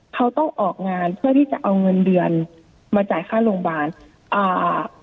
เขาต้องออกงานเพื่อที่จะเอาเงินเดือนมาจ่ายค่าโรงพยาบาลอ่า